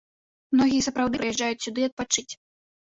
Многія сапраўды прыязджаюць сюды адпачыць.